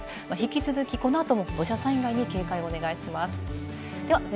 引き続き、このあとも土砂災害に警戒をお願いします。